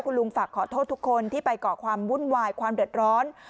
คุณลุงฝากขอโทษทุกคนที่ไปก่อความวุ่นวายความเดือดร้อน